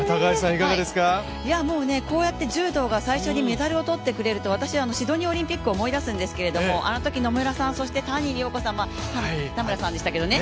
こうやって柔道が最初にメダルを取ってくれるとシドニーオリンピックを思い出すんですけどあのとき野村さん、谷亮子さん、田村さんでしたけどね。